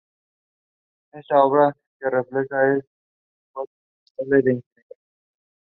Esta obra que refleja un esfuerzo notable de ingeniería mexicana.